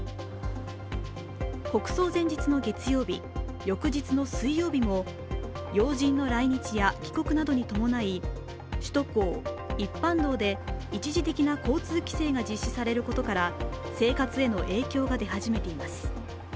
国葬前日の月曜日、翌日の水曜日も要人の来日や帰国などに伴い、首都高・一般道で一時的な交通規制が実施されることから生活への影響が出始めています。